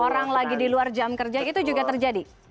orang lagi di luar jam kerja itu juga terjadi